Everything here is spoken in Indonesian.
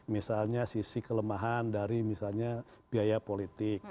misalnya sisi kelemahan dari misalnya biaya politik